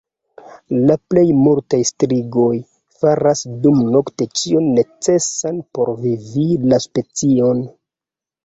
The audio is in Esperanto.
La plej multaj strigoj faras dumnokte ĉion necesan por vivteni la specion.